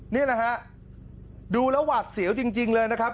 นี่นะฮะดูแล้วหวาดเสียวจริงเลยนะครับ